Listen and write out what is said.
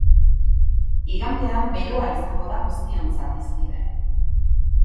Igandean beroa izango da guztiontzat hizpide.